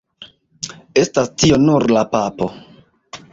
Estas tio nur la papo!